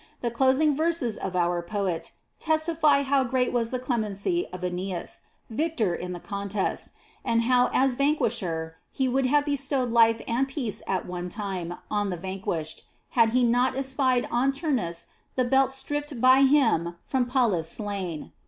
The closing verses of our Poet testify how great was the clemency of Aeneas, victor in the contest, and how as van I. Aen, 12. 942. Ch. m] DE MONARCHIA 121 quisher he would have bestowed life and peace at one time on the vanquished, had he not espied on Turnus the belt stripped by him from Pallas slain.'